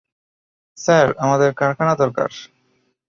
Sir, আমাদের কারখানা দরকার।